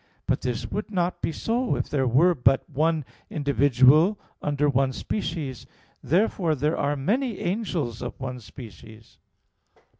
But this would not be so if there were but one individual under one species. Therefore there are many angels of one species.